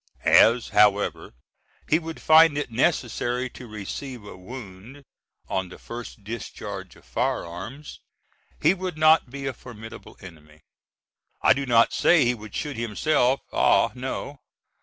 As, however, he would find it necessary to receive a wound, on the first discharge of firearms, he would not be a formidable enemy. I do not say he would shoot himself, ah no!